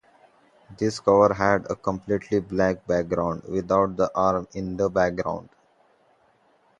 This cover had a completely black background, without the arm in the background.